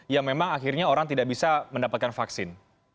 yang memang akhirnya orang tidak bisa mendapatkan vaksin